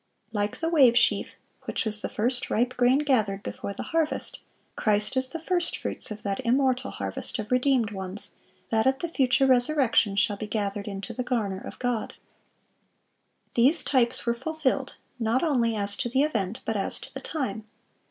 (652) Like the wave sheaf, which was the first ripe grain gathered before the harvest, Christ is the first fruits of that immortal harvest of redeemed ones that at the future resurrection shall be gathered into the garner of God. These types were fulfilled, not only as to the event, but as to the time.